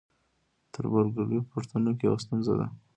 تربورګلوي په پښتنو کې یوه ستونزه ده.